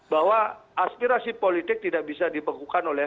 bahwa aspirasi politik tidak bisa dibekukan oleh